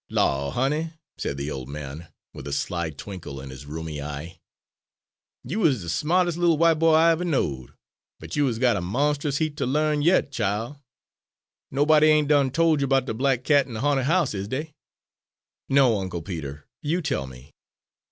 "Law', honey," said the old man, with a sly twinkle in his rheumy eye, "you is de sma'tes' little white boy I ever knowed, but you is got a monst'us heap ter l'arn yit, chile. Nobody ain' done tol' you 'bout de Black Cat an' de Ha'nted House, is dey?" "No, Uncle Peter you tell me."